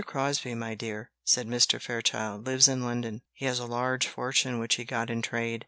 Crosbie, my dear," said Mr. Fairchild, "lives in London. He has a large fortune which he got in trade.